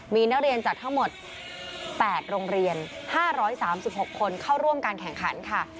มีนักเรียนจากทั้งหมด๘โรงเรียน๕๓๖คนเข้าร่วมการแข่งขันค่ะ